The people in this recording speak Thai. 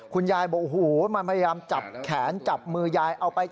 คุณยายโบหูมาพยายามจับแขนจับมือยายเอาไป